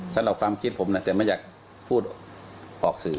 สำหรับความคิดผมนะแต่ไม่อยากพูดออกสื่อ